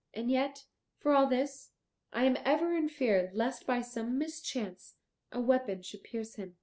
And yet, for all this, I am ever in fear lest by some mischance a weapon should pierce him.